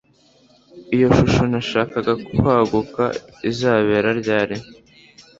Iyo shusho nashakaga kwaguka izabera ryari